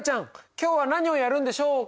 今日は何をやるんでしょうか？